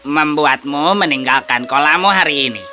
membuatmu meninggalkan kolamu hari ini